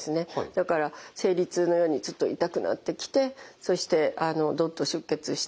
だから生理痛のようにちょっと痛くなってきてそしてどっと出血したりします。